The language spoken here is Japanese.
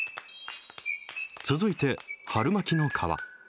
続いて、春巻の皮。